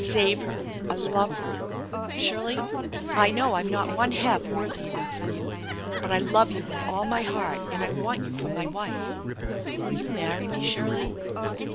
Save her! I love her!' Shirley, I know I'm not one half worthy enough for you, but I love you with all my heart and I want you for my wife. Will you marry me, Shirley